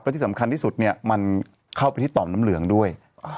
ที่สำคัญที่สุดเนี่ยมันเข้าไปที่ต่อมน้ำเหลืองด้วย